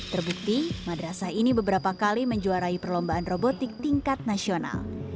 terbukti madrasah ini beberapa kali menjuarai perlombaan robotik tingkat nasional